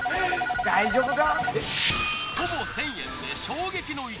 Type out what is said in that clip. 大丈夫か？